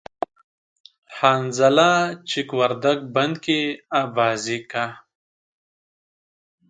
حنظله چک وردگ بند کی آبازی کا